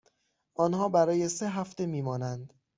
آنها برای سه هفته می مانند.